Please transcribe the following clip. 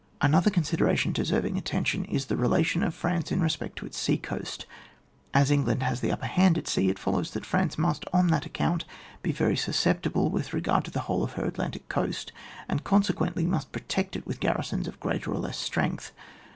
Another consideration deserving atten tion, is the relation of France in respect to its sea coast As England has the u^per hand at sea, it follows that France must, on that account, be very suscepti ble with regard to the whole of her Atlantic coast; and, consequently, must protect it with garrisons of greater or less strength.